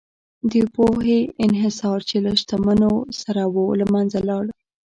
د پوهې انحصار چې له شتمنو سره و، له منځه لاړ.